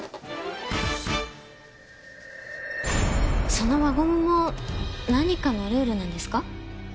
その輪ゴムも何かのルールなんですか？